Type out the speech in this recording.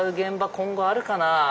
今後あるかなあ？